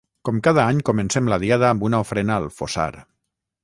Com cada any comencem la Diada amb una ofrena al fossar.